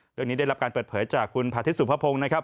เรื่องนี้ได้รับการเปิดเผยจากคุณผัทธิสุภพพงศ์นะครับ